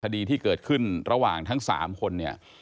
คดีที่เกิดขึ้นระหว่างทั้ง๓คนเนี่ย